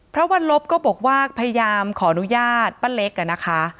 พระวรรภก็บอกว่าพยายามขออนุญาตประเล็กอ่ะนะคะ